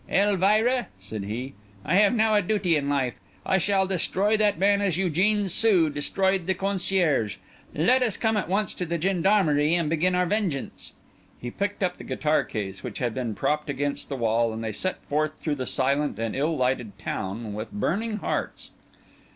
"Elvira," said he, "I have now a duty in life. I shall destroy that man as Eugène Sue destroyed the concierge. Let us come at once to the Gendarmerie and begin our vengeance." He picked up the guitar case, which had been propped against the wall, and they set forth through the silent and ill lighted town with burning hearts.